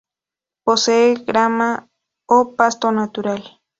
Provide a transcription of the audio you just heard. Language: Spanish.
Posee grama o pasto natural.